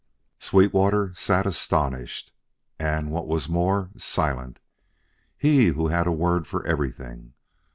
Sweetwater sat astonished, and what was more, silent he who had a word for everything.